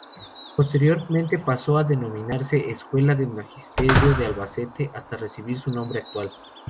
Posteriormente pasó a denominarse Escuela de Magisterio de Albacete hasta recibir su nombre actual.